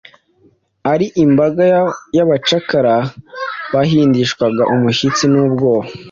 ari imbaga y’abacakara bahindishwaga umushyitsi n’ubwoba,